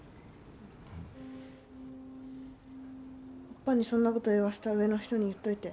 オッパにそんなこと言わせた上の人に言っといて。